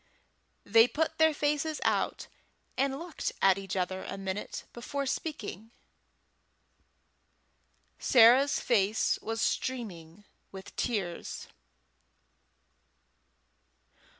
They put their faces out, and looked at each other a minute before speaking. Sarah's face was streaming with tears.